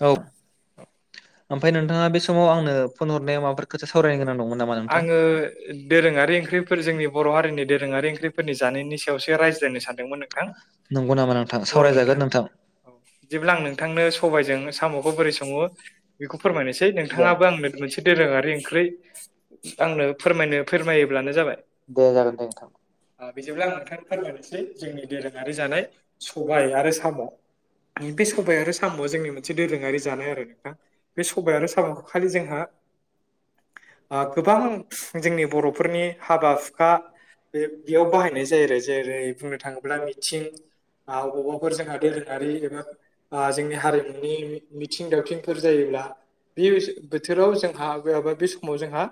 औ। [inaudible] ओमफ्राय नोंथाङा बे समाव आंनो फन हरनायाव माबाफोर खोथा सावरायनो गोनां दंमोन नामा नोंथां। आङो दोरोङारि ओंख्रिफोर जोंनि बर' हारिनि दोरोङारि ओंख्रिफोरनि जानायनि सायावसो रायज्लायनो सानदोंमोन नोंथां। नंगौ नामा नोंथां सावरायजागोन नोंथां। औ बिदिब्ला आं नोंथांनो जोंनो साम'खौ बोरै सङो बेखौ फोरमायनोसै नोंथाङाबो दे आंनो मोनसे दोरोङारि ओंख्रै आंनो फोरमायनो फोरमायोब्लानो जाबाय जागोन दे नोंथां बेजोंब्ला आं नोंथांनो फोरमायनोसै जोंनि दोरोङारि जानाय सबाय आरो साम' बे सबाय आरो साम'आ जोंनि मोनसे दोरोङारि जानाय आरो नोंथां बे सबाय आरो साम'खौ खालि जोंहा ओ गोबां जोंनि बर'फोरनि हाबा हुखा बे बेयाव बाहायनाय जायो आरो जेरै बुंनो थाङोब्ला मिथिं बबावबाफोर जोंहा दोरोङारि एबा ओ जोंनि नि मिथिं दावथिंफोर जायोब्ला बे बोथोराव जोंहा बबेयावबा बे समाव जोंहा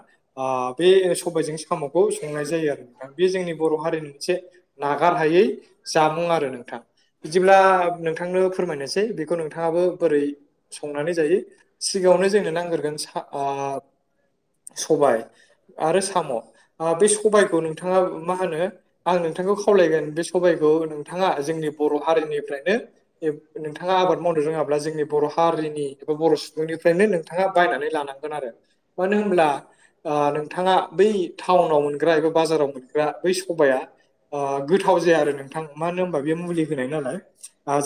ओ बे सबायाइजों साम'खौ संनाय जायो आरोना नोंथां बे जोंनि बर' हारिनि मोनसे नागार हायै जामुं आरो नोंथां। बिदिब्ला नोंथांनो फोरमायनोसै बेखौ नोंथाङाबो बोरै संनानै जायो सिगाङावनो जोंनो नांग्रोगोन ओ स'बाय आरो साम' बे सबायखौ नोंथाङा मा होनो आंनो नोंथांखौ खावलायगोन बे सबबायखौ नोंथाङा जोंनि बर' हारिनिफ्रायनो नोंथाङा आबाद मावनाय रोङाब्ला जोंनि बर' हारिनि एबा बर' सुबुंनिफ्रायनो नोंथाङा बायनानै लानांगोन आरो मानो होनब्ला नोंथाङा बै टाउनाव मोनग्रा एबा बाजाराव मोनग्रा बै स'बाया गोथाव जाया आरो नोंथां । मानो होनो होमब्ला बे मुलि होनाय नालाय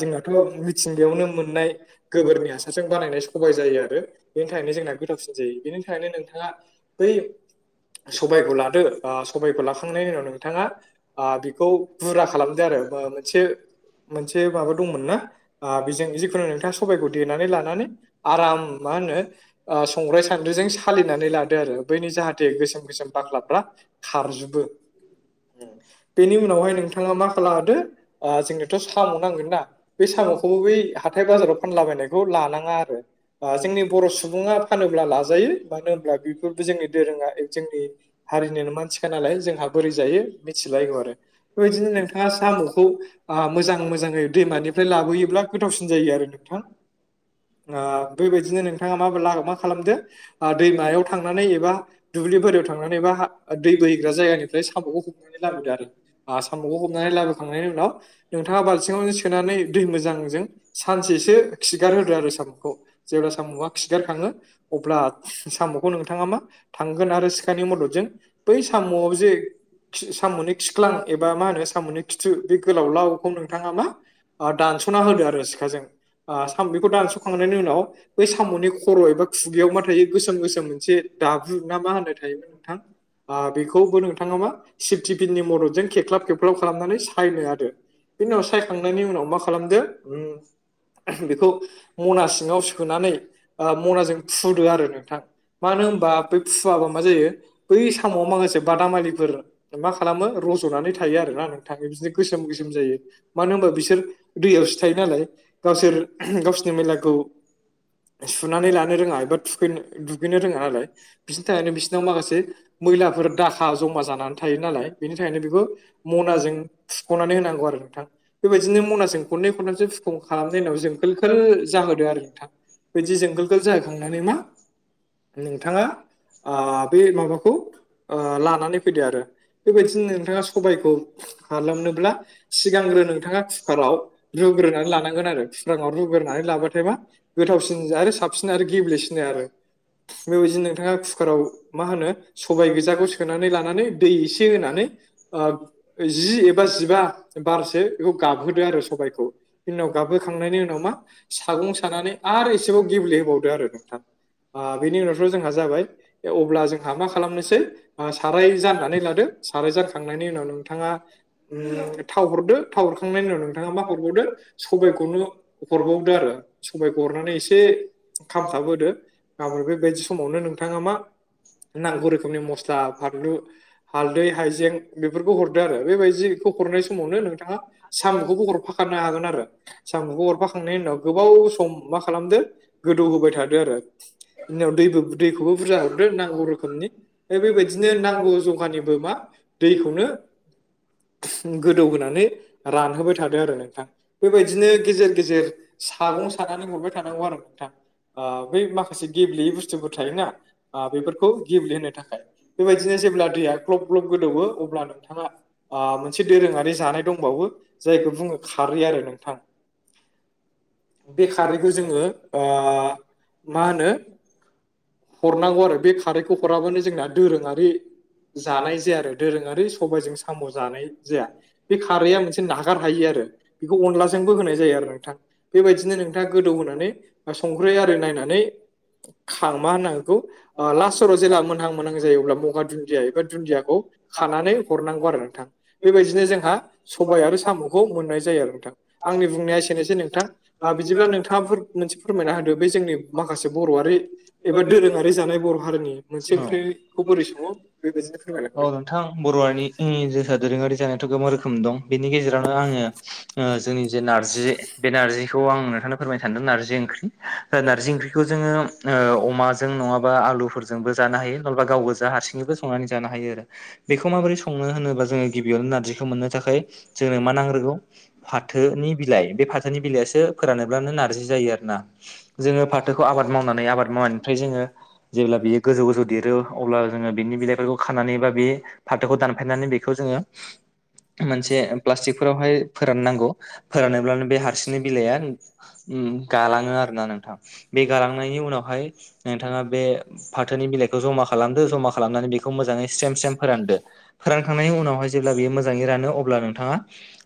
जोंनाथ' मिथिंगायावनो मोननाय गोबोरनि हासारजों बानायनाय स'बाय जायो आरो बेनि थाखायनो जोंना गोथावसिन जायो । बेनि थाखायनो नोंथां हा बै स'बायखौ लादो स'बायखौ लाखांनायनि उनाव नोंथाङा बेखौ बुरा खालामदो आरो मोनसे मोनसे माबा दंमोनना [inaudible] नोंथाङा सबबायखौ देनानै लानानै आराम मा होनो संग्राय सान्द्रिजों सालिनानै लादो आरो बैनि जाहाथे गोसोम गोसोम बाख्लाफ्रा खारजोबो बेनि उनावहाय नोंथाङा मा खालामहदो जोंनोथ' साम' नांगोनना बे साम'खौबो बै हाथाय बाजाराव फानलाबायनायखौ लानाङा आरो जोंनि बर' सुबुङा फानोब्ला लाजायो मानो होनब्ला बेफोरबो जोंनि दोरोङा जोंनि हारिनिनो मानसिखा नालाय जोंहा बोरै जायो मिथिलायगौ आरो बेबायदिनो नोंथाङा साम'खौ मोजां मोजाङै दैमानिफ्राय लाबोयोब्ला गोथावसिन जायो आरो नोंथां। बेबायदिनो नोंथाङा माबोला मा खालामदो दैमायाव थांनानै एबा दुब्लिबारियाव थांनानै बा दै बोहैग्रा जायगानिफ्राय साम'खौ हमनानै लाबोदो आरो साम'खौ हमनानै लाबो लाबोखांनायनि उनाव नोंथाङा बालथिङाव सोनानै दै मोजांजों सानसेसो खिगार होदो आरो साम'खौ जेब्ला साम'आ खिगारखाङो अब्ला साम' साम'खौ नोंथाङा मा थांगोन आरो सिखानि मददजों बै साम'आव जे साम'नि खिख्लां एबा मा होनो साम'नि खिथु बे गोलाव लावखौ नोंथाङा मा दान स'ना होदो आरो सिखा जों साम'निखौ दानसखांनायनि उनाव बै साम'नि खर' एबा खुगायाव मा थायो गोसोम गोसोम मोनसे दाब्रु ना मा होनो थाय नोंथां। बेखौबो नोंथाङा मा सिफटिफिननि मददजों खेख्लाब खेबख्लाब खालामनानै सायदो आरो बेनि उनाव सायखांनायनि उनाव मा खालामदो बेखौ मना सिङाव सोनानै मनाजों फुदो आरो नोंथां। मानो होनबा फुवाबा मा जायो बै सामाव माखासे बादामालिफोर मा खालामो रज'नानै थायो आरोना नोंथां बिदिनो गोसोम गोसोम जायो ।मानो होनबा बिसोर दैयावसो थायो नालाय? गावसोर गावसोरनि मेलाखौ सुनानै लानो रोङा एबा थुखै दुगैनो रोङा नालाय बिसनि थाखायनो बिसिनाव माखासे मैलाफोर दाखा जमा जानानै थायो नालाय बेनि थाखायनो बेखौ मनाजों फुख'नानै होनांगौ आरो नोंथां बेबायदिनो मनाजों खननै खनथामसो फुख' खालामनाय उनाव जोंखोल खोला जाहोदो आरो नोंथां बिदि जोंखोल खोल जाहोखांनानै मा नोंथाङा हा। बे माबाखौ लानानै फैदो आरो बेबायदिनो नोंथाङा सबायखौ खालामनोब्ला सिगांग्रो नोंथाङा कुकाराव रु रुग्रोनानै लानानै फुखाराव रुग्रोनानै लाबाथाय मा गोथावसिन आरो साबसिन आरो गेब्लेसिनो आरो बेबायदिनो नोंथाङा कुकाराव मा होनो सबाय गोजाखौ सोनानै लानानै दै एसे होनानै जि एबा जिबा बारसो बेखौ गाबहोदो आरो सबायखौ नि उनाव गाबबोखांनायनि उनाव मा सागं सानानै आरो एसेबाव गेब्ले होबावदो आरो नोंथां बेनि उनावथ' जोंहा जाबाय अब्ला जोंहा मा खालामनोसै साराय जाननानै लादो। साराय जानखांनायनि उनाव नोंथाङा थाव हरदो थाव हरखांनायनि उनाव नोंथाङा मा हरबावदो सबबायखौनो हरबावदो आरो सबायखौ हरनानै एसे खामथाबहोदो आरो बेबायदि समावनो नोंथाङा मा नांगौ रोखोमनि मस्ला फानलु हालदै हाइजें बेफोरखौ हरदो आरो बेबायदि हरनाय समावनो नोंथाङा साम'खौबो हरफ खारनो हागोन आरो साम'खौ हरफाखांनायनि उनाव गोबाव सम मा खालामदो गोदौ होबाय थादो आरो बियाव दैबो दैखौबो बुरजा हरदो नांगौ रोखोमनि बेबायदिनो नांगौ जखानिबो दैखौनो गोदौ होनोनानै रानहोबाय थादो आरो नोंथां। बेबायदिनो गेजेर गेजेर सागं सानानै हरबाय थानांगौ आरो नोंथां। बै माखासे गेब्लेयै बुस्थुफोर थायोना बेफोरखौ गेब्लेहोनो थाखाय बेबायदिनो जेब्ला दैया ग्लब ग्लब गोदौवो अब्ला नोंथाङा मोनसे दोरोङारि जानाय दंबावो जायखौ बुङो खारै आरो नोंथां बे खारैखौ जोङो मा होनो हरनांगौ आरो बे खारैखौ हराबानो जोंना दोरोङारि जानाय जाया आरो दोरोंङारि सबायाइजों साम' जानाय जाया बे खारैया मोनसे नागार हायो आरो बेखौ अनलाजोंबो होनाय जायो आरो नोंथां बेबायदिनो नोंथांङा गोदौ होनोनानै संख्रै आरि नायनानै [unintelligible] मा होनना बेखौ लास्टराव जेब्ला मोनहां मोनहां जायो अब्ला मगा दुन्दिया एबा दुन्दियाखौ खानानै हरनांगौ आरो नोंथां बेबायदिनो जोंहा सबाय आरो साम'खौ मोननाय जायो आरो नोंथां आंनि बुंनाया एसेनोसै नोंथां बिदिब्ला नोंथांङा मोनसे फोरमायना होदो बे जोंनि माखासे बर'आरि एबा दोरोङारि जानाय बर' हारिनि मोनसे ओंख्रिखौ बोरै संङो बेबायदिनो फोरमाय हरदों दोरोंङारि जानायाथ' गोबां रोखोम दं बेनि गेजेरावनो आंङो जोंनि जे नारजि बे नारजि नोंथांनो फोरमायनो सानदों नारजिंखौ ज अमाजों नङा आलु बो ज हायोा गाव हार हायो आरो बेखौ माबै सनो होनोबा जोंङो गिबियावनो नारजिखौ मोननो थाखाय जोंनो मा नांग्रोगौ फाथोनि बिलाइ बे फाथोनि बिलाइ फो फोरानोब्लानो नारजि जायो आरो ना जोंङो फाथोखौ आबाद मावनानै आबाद मावनायनिफ्राय जोंङो जेब्ला बियो गोजौ गोजौ देरो अब्ला जोंङो बिनि बिलाइफोरखौ खानानै बा बे फाथोखौ दानफायनानै बेखौ जोंङो [inaudible] मोनसे प्लासतिग फोराव फोरान नांगौ फोरानोब्लानो बे गालांङो आरोना नोंथां बे गालांनायनि उनावहाय नोंथांङा बे फाथोनि बिलाइखौ जमा खालामदो जमा खालामनानै बेखौ मोजांङै स्रम स्रम फोरानदो फोरानखांनायनि उनाव बेवहाय जेब्ला बेयो मोजांङै रानो अब्ला नोंथांङा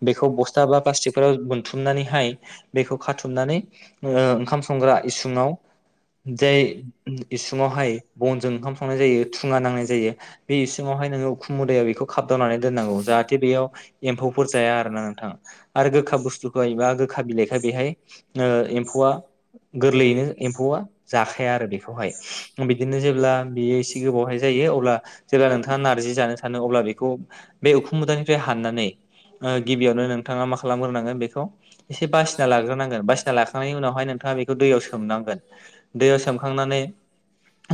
बेखौ बस्था बा प्लास्टिकफोराव मोनथुमनानैहाय बेखौ खाथुमनानै ओंखाम संग्रा इसुङाव जाय इसुङावहाय बनजों ओंखाम संनाय जायो थुङा नांनाय जायो बे इसङावहाय उखुम मुद बेखौ खाबदावनानै दोननांगौ जाहाथे बेयाव एम्फौफोर जाया आरो ना नोंथांङा आरो गोखा बुस्थुखौयोबा खा बिलाइखाय बेहाय एम्फौआ गोरलैयैनो एम्फौआ जाखाया आरो बेखौहाय बिदिनो जेब्ला बेयो एसे गोबावहाय जायो अ जेब्ला नोंथांङा नारजि जानो सानो अ बेखौ बे उख मुदफ्राय हनानै गिबियावनो नोंथांङा मा खालामग्रोनांगोन बेखौ एसे बासिना लाग्रोनांगोन बासिना लाखांनायनि उनावहाय नोंथांङा बेखौ दैयाव सोमनांगोन दैयाव सोमखांनानै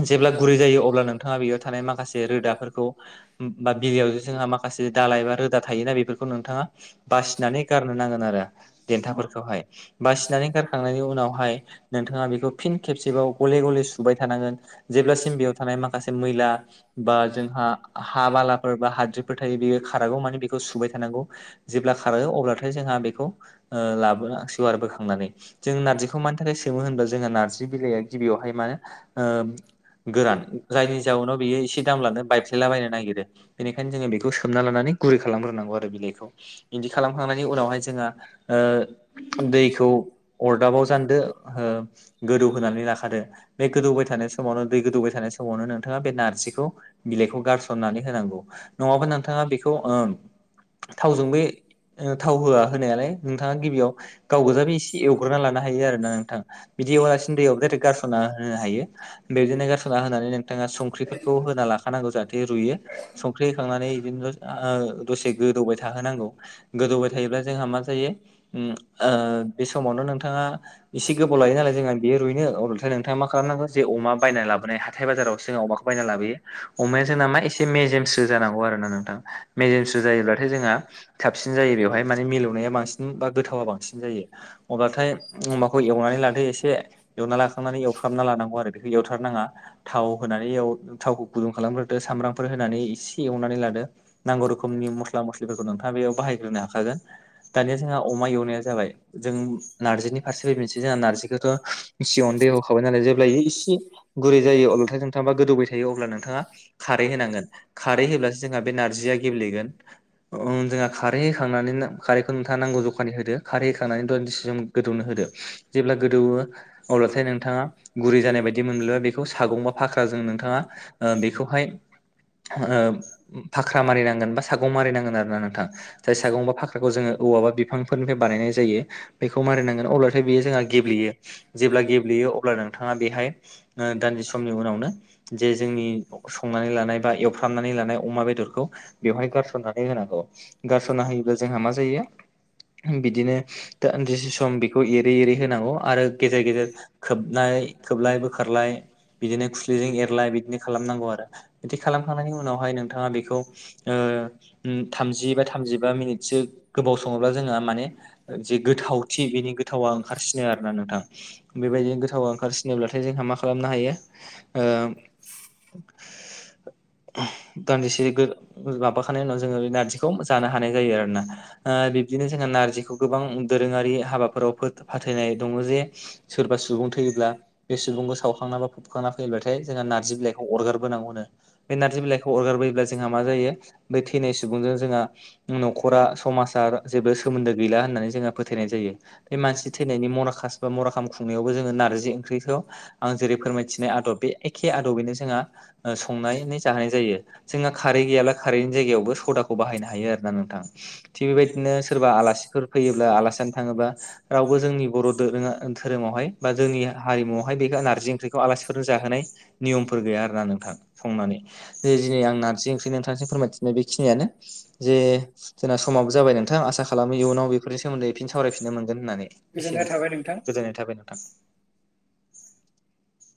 जेब्ला गुरै जायो अब्ला नोंथाङा बेयाव थानाय माखासे रोदाफोरखौ बा बिलोआव ज जोंहा माखासे माखासे दालााय एबा रोदा थायोना बेफोरखौ नोंथांङा बासिनानै गारनो नांगोन आरो थाय बासिनानै गारखांनायनि उनावहाय नोंथांङा बेखौ फिन खेबसेबाव गले गले सुबाय थानांगोन जेब्लासिम बेयाव थानाय माखासे मैला बा जोंहा हा बालाफोर बा हाद्रिफोर थायो बेयो खारागौ माने बेखौ नंगौ, जेब्ला खारो अब्लाथाय जोंहा बेखौ ओ लाबो सेवार बोखांनानै जों नारजिखौ मानि थाखाय सोमो होनबा जोंहा नारजि बिलाइया गिबियावहाय मान ओ गोरान जायनि जाउनाव बेयो एसे दामलानो बायस्लायलाबायनो नागिरो बेनिखायनो जोंङो बेखौ सोमना लानानै गुरै खालामो। बिलाइखौ बिदि खालामखांनायनि उनावहाय जोंहा ओ दैखौ अरदाबाव जानदो ओ गोदौ होनानै लाखादो बे गोदौबाय था समावनो दै गोदौबाय थानाय समावनो नोंथाङा बे नारजिखौ बिलाइखौ गारसननानै होनांगौ नंङाबा नोंथांङा बेखौ ओ थावजों बे थाव होआ होनायालाय नोंथांङा गिबियाव गाव गोजाै एसे एवग्रोना लानो हायो आर ना नोंथा बिदि एवालासिनो दैयाव दायरेक्ट गारसना हो नो हायो बेनो गारसना होनानै नोंथांङा संख्रिफोरखौ होना लाखानांगौ जाहाथे रुयो संख्रि होखांनानै बिदिनो आ दसे गोदौबाय थाहोनांगौ। गोदौबाय थायोब्ला जोंहा मा जायो उम आ बे समावनो नोंथांङा एसे गोबाव लायो नालाय जोंहा बेयो रुइनो अब्लाथाय नोंथांङा मा खालाम अमा बायना लाबोनाय हथाय बाजाराव अमाखौ बायना लाबोायो अमाया जोंना मा एसे मेजेमसो जा नांगौ आरो ना नोंथां मेजेमसु जायोब्लाथाय जोंहा साबसिन जायो बेयावहाय माने मिलौनाया बांसिन बा गोथावा बांसिन जायो अब्लाथाय अमाखौ एवनानै लानोदो एसे एवनानै लाखांनानै एवफ्रनानै लांगौ आरो बेखौ एवथारनााङा थाव होनानै एव थावखौ गुदुं खालामग्रोदो सामब्रामफोर होनानै इसे एवनानै लादो नांगौ रोखोमनि मस्ला मस्लिफोरखौ नोंथाङा बेयाव बाहायग्रोनो हाखागोन दानिया जोंहा अमा एवनाया जाबाय जों नारजिनि फारसेबो मोनसे जोंहा नारजिखौथ' सियावनो दै खाबाय नालाय जेबब्ला इसे गुरै जायो अब्लाथाय नोंथांबा गोदौबाय थायो अब्ला नोंथाङा खारै होनांगोन खारै होब्लासो जोंहा बे नारजिया गेब्लेगोन ओ जोंहा खारै होखांनानै खार नोंथाङा नांगौ जखानि होदो खारैखांनानै दान्दिसे सम गोदौनो होदो जेब्ला गोदौवो अब्लाथाय नोंथाङा गुरै जानाय बायदि मोन बेखौ सागंबा फाख्राजों नोंथाङा बेखौहाय ओ फाख्रा मारिनांगोन बा सागं मारि नांगोन आर ना नोंथां। जाय सागंबा फाख्राखौ जोङो औवा बा बिफांफोरनिफ्राय बानायनाय जायो। बेखौ मारिनांगोन अब्लाथाय बेयो जोंहा गेब्लेयो जेब्ला गेब्लेयो अब्ला नोंथाङा बेहाय दान्दिसे समनि उनावनो जे जोंनि संनानै लानाय बा एवफ्रामनानै लानाय अमा बेदरखौ बेवहाय गारसननानै होनांगौ गारस'ना होयोब्ला जोंहा मा जायो बिदिनो दान्दिसे सम बेखौ एरै एरै होनांगौ आरो गेजेर गेजेर खोबनानै य खोबलाय बोखारलाय बिदिनो खुस्लिजों एरलाय बिदिनो खालामनांगौ आरो। बिदि खालामखांनायनि उनावहाय नोंथाङा बेखौ थामजि बा थामजिबा मिनिटसो गोबाव सङोब्ला जोङो माने जे गोथावथि बेनि गोथावा ओंखारसिनो आरो ना नोंथां। बेबायदि दिनो गोथाव ओंखारसिनोब्लाथाय जोंहा मा खालामनो हायो ओ [inaudible] [inaudible] दान्दिसे गो माबाखानाय उनाव जोङो बे नारजिखौ जानो हानाय जायो आरोना। ओ बिबदिनो जोंहा नारजिखौ गोबां दोरोङारि हाबाफोराव फाथायनाय दङ जे सोरबा सुबुङा सुबुं थैयोब्ला बे सुबुंखौ सावखांना बा फुबखांना फैयोब्लाथाय जोंहा नारजि बिलाइखौ अरगारबोनांगौनो। बे नारजि बिलाइ खौ अरगारबोयोब्ला जोंहा मा जायो बै थैनाय सुबुंजों जोंहा न'खरा समाज जेबो सोमोन्दो गैलाया होननानै जोंहा फोथायनाय जायो बे मानसि थैनायनि मराखास बा मरा खाम खुंनायावबो जोङो नारजि ओंख्रिखौ आं जेरै फोरमायथिनाय आदब बे एखे आदबैनो जोंहा ओ संनाय जहोनाय जायो। जोंहा खारै गैयाब्ला खारैनि जायगायावबो सदाखौ बाहायनो हायो आरोना नोंथां। थिग बेबायदिनो सोरबा आलासिफोर फैयोब्ला आलासियानो थाङोबा रावबो जोंनि बर' दोरोङा धोरोमावहाय बा जोंनि हारिमुावहाय बे नारजि ओंख्रिखौ आलासिफोरनो जाहोनाय नियमफोर गैया आरोना नोंथां संनानै। दिनै आं नारजि ओंख्रि नोंथांसिम फोरमायथिननाय बेखिनियानो जे जों समाबो जाबाय नोंथां आसा खालामो इयुनाव बेफोरनि सोमोन्दै एफिन सावरायफिननो मोनगोन होननानै गोजोननाय थाबाय एसेनोसै। नोंथां गोजोननाय थाबाय नोंथां।